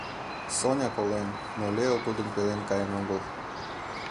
Соня колен, но Лео тудын пелен каен огыл.